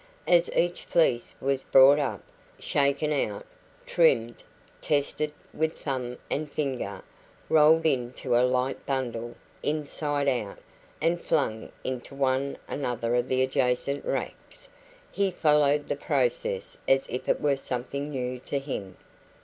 As each fleece was brought up, shaken out, trimmed, tested with thumb and finger, rolled into a light bundle, inside out, and flung into one or another of the adjacent racks, he followed the process as if it were something new to him.